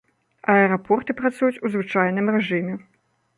Аэрапорты працуюць у звычайным рэжыме.